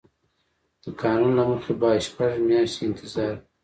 د قانون له مخې باید شپږ میاشتې انتظار وي.